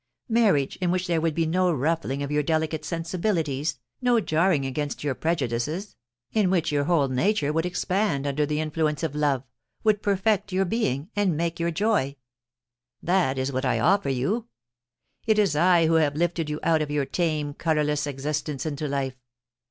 . Marriage, in which there would be no ruffling of your delicate sensibilities, no jarring against your prejudices, in which your whole nature would expand under the influence of^ 248 POLICY AND PASSION, love, would perfect your being, and make your joy. ... This is what I offer you. ... It is I who have lifted you out of your tame, colourless existence into life.